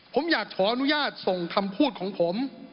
ผมอยากขออนุญาตส่งคำพูดของผม